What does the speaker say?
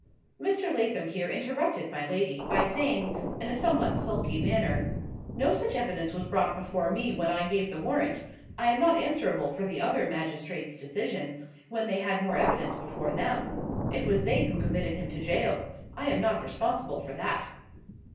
Mr. Lathom here interrupted my lady, by saying, in a somewhat sulky manner—"No such evidence was brought before me when I gave the warrant. I am not answerable for the other magistrates' decision, when they had more evidence before them. It was they who committed him to gaol. I am not responsible for that."